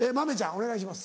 お願いします。